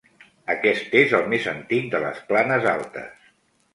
Aquest és el més antic de les planes altes.